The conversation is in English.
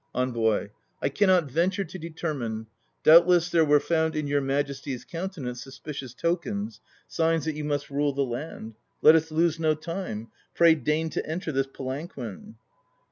ENVOY. I cannot venture to determine. Doubtless there were found in your Majesty's countenance auspicious tokens, signs that you must rule the land. Let us lose no time; pray deign to enter this palanquin.